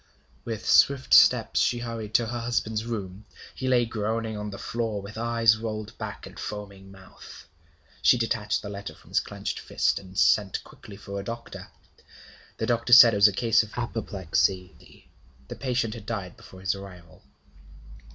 With swift steps she hurried to her husband's room. He lay groaning on the floor, with eyes rolled back and foaming mouth. She detached the letter from his clenched fist, and sent quickly for a doctor. The doctor said it was a case of apoplexy. The patient had died before his arrival.